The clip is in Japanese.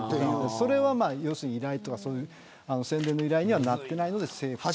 それは要するに宣伝の依頼にはなってないのでセーフです。